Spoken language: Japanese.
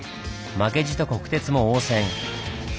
負けじと国鉄も応戦。